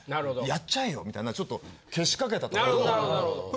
やっちゃえよ」みたいなちょっとけしかけたところ。